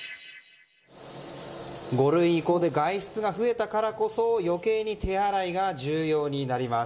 ５類移行で外出が増えたからこそ余計に手洗いが重要になります。